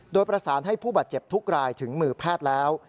โดยประสานให้ผู้บาดเจ็บทุกรายถึงมือแพทย์แล้ว